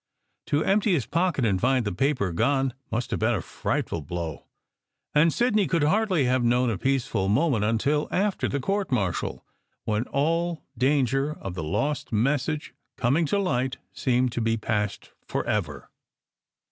To empty his pocket and find the paper gone must have been a frightful blow, and Sidney could hardly have known a peaceful moment until after the court martial, when all danger of the lost message coming to light seemed to be past forever.